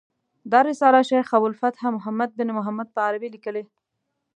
دا رساله شیخ ابو الفتح محمد بن محمد په عربي لیکلې.